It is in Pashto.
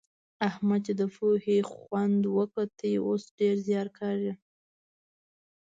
احمد چې د پوهې خوند وکوت؛ اوس ډېر زيار کاږي.